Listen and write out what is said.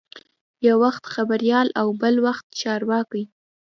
یو وخت خبریال او بل وخت چارواکی.